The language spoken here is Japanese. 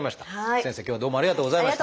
先生今日はどうもありがとうございました。